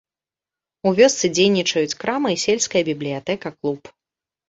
У вёсцы дзейнічаюць крама і сельская бібліятэка-клуб.